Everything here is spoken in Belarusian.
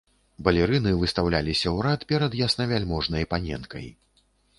Балерыны выстаўляліся ў рад перад яснавяльможнай паненкай.